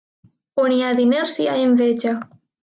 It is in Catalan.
On hi ha diners hi ha enveja.